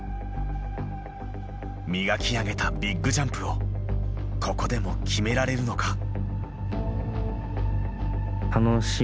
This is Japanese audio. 磨き上げたビッグジャンプをここでも決められるのか。